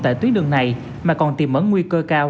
tại tuyến đường này mà còn tìm ẩn nguy cơ cao